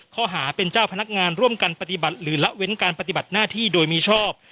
ข้อหาเป็นเจ้าพนักงานร่วมกันปฏิบัติหรือละเว้นการปฏิบัติหน้าที่โดยมีชอบ